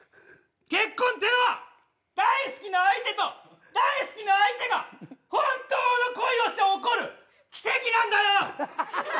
結婚ってのは大好きな相手と大好きな相手が本当の恋をして起こる奇跡なんだよ！